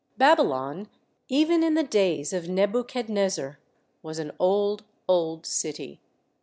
Babylon, even in the days of Nebuchadnezzar, was an old, old city.